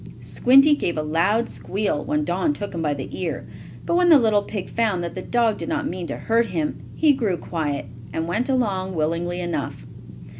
Squinty gave a loud squeal when Don took him by the ear, but when the little pig found that the dog did not mean to hurt him, he grew quiet, and went along willingly enough.